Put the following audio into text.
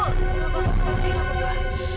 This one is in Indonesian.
gak apa apa saya gak berbahaya